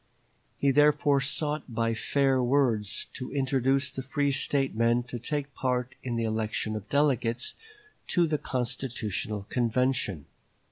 He, therefore, sought by fair words to induce the free State men to take part in the election of delegates to the constitutional convention.